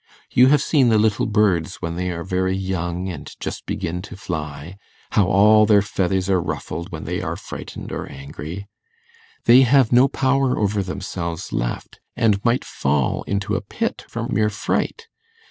You have seen the little birds when they are very young and just begin to fly, how all their feathers are ruffled when they are frightened or angry; they have no power over themselves left, and might fall into a pit from mere fright.